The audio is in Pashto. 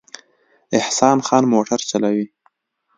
احسان خان موټر چلوي